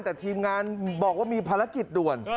แต่ทีมงานบอกว่ามีภารกิจด่วน